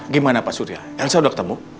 gimana pak surya elsa udah ketemu